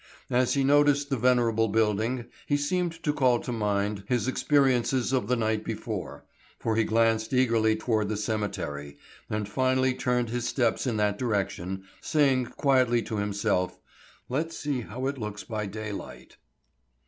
As he noticed the venerable building he seemed to call to mind his experiences of the night before, for he glanced eagerly toward the cemetery, and finally turned his steps in that direction, saying quietly to himself, "Let's see how it looks by daylight."